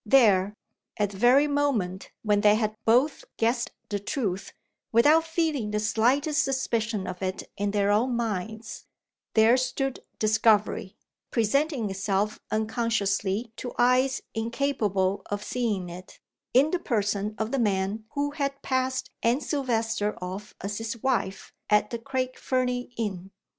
There at the very moment when they had both guessed the truth, without feeling the slightest suspicion of it in their own minds there stood Discovery, presenting itself unconsciously to eyes incapable of seeing it, in the person of the man who had passed Anne Silvester off as his wife at the Craig Fernie inn!